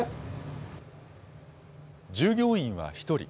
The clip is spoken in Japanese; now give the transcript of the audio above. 従業員は１人。